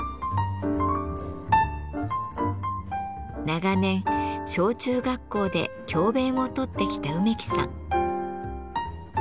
長年小中学校で教べんをとってきた梅木さん。